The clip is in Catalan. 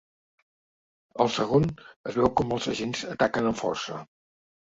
Al segon es veu com els agents ataquen amb força.